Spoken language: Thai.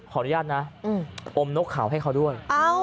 อนุญาตนะอมนกเขาให้เขาด้วย